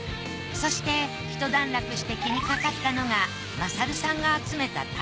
そしてひと段落して気にかかったのが賢さんが集めた